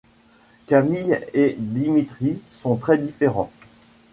Camille et Dimitri sont très différents.